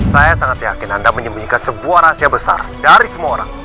saya sangat yakin anda menyembunyikan sebuah rahasia besar dari semua orang